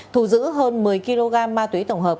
thù giữ hơn một mươi kg ma túy tổng hợp